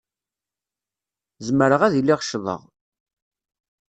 Zemreɣ ad iliɣ ccḍeɣ.